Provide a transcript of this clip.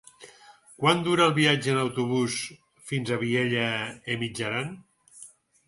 Quant dura el viatge en autobús fins a Vielha e Mijaran?